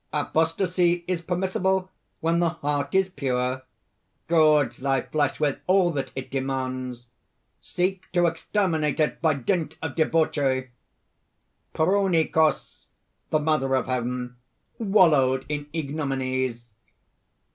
Apostasy is permissible when the heart is pure. Gorge thy flesh with all that it demands. Seek to exterminate it by dint of debauchery! Prounikos, the Mother of Heaven, wallowed in ignominies."